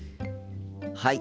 はい。